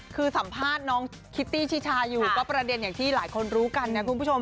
คือสัมภาษณ์น้องคิตตี้ชิชาอยู่ก็ประเด็นอย่างที่หลายคนรู้กันนะคุณผู้ชม